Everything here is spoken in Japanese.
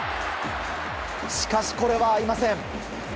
しかし、これは合いません。